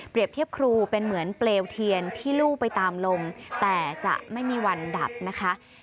เทียบครูเป็นเหมือนเปลวเทียนที่ลู่ไปตามลมแต่จะไม่มีวันดับนะคะ